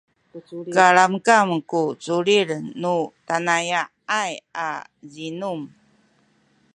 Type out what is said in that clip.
kalamkam ku culil nu tanaya’ay a zinum